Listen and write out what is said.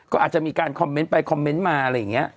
ก็อาจจะมีการคอมเมนต์ไปคอมเมนต์มาอะไรอย่างนี้